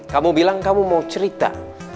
kamu bilang kamu mau cerita